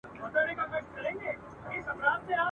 ښځي د کورنۍ په بودیجه کي مهمه برخه لري.